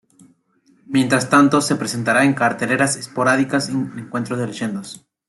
Mientras tanto, se presentará en carteleras esporádicas en encuentros de leyendas.